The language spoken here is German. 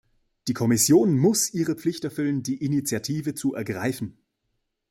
Die Kommission muss ihre Pflicht erfüllen, die Initiative zu ergreifen.